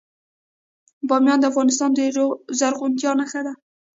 بامیان د افغانستان د زرغونتیا نښه ده.